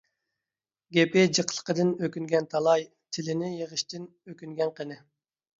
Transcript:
گېپى جىقلىقىدىن ئۆكۈنگەن تالاي، تىلىنى يىغىشتىن ئۆكۈنگەن قېنى؟